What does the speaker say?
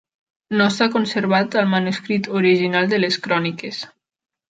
No s'ha conservat el manuscrit original de les cròniques.